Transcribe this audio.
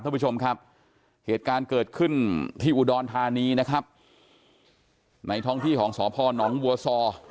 ท่านผู้ชมครับเหตุการณ์เกิดขึ้นที่อุดรธานีนะครับในท้องที่ของสพนวัวซอ